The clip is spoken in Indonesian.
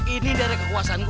ini dari kekuasaan saya